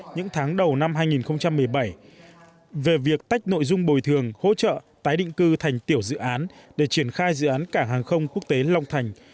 những tháng đầu năm hai nghìn một mươi bảy về việc tách nội dung bồi thường hỗ trợ tái định cư thành tiểu dự án để triển khai dự án cảng hàng không quốc tế long thành